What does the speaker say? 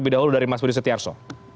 lebih dahulu dari mas budi setiarso